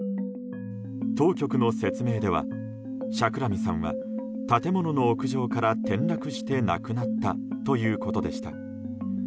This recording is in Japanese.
当局の説明ではシャクラミさんは建物の屋上から転落して亡くなったということでした。